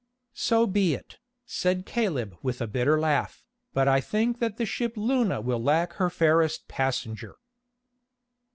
"So be it," said Caleb with a bitter laugh, "but I think that the ship Luna will lack her fairest passenger."